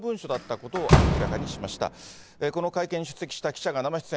この会見に出席した記者が生出演。